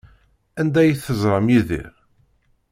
Anda ay teẓram Yidir?